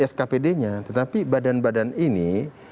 skpd nya tetapi badan badan ini